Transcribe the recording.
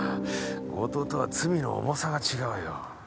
強盗とは罪の重さが違うよ。